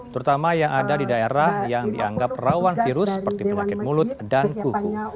terutama yang ada di daerah yang dianggap rawan virus seperti penyakit mulut dan kuku